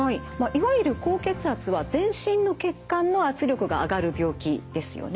いわゆる高血圧は全身の血管の圧力が上がる病気ですよね。